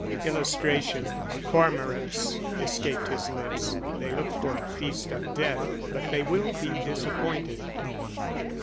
[Illustration: "Cormorants!" escaped his lips. "They look for a feast of death, but they will be disappointed."